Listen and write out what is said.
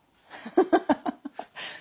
ハハハハッ。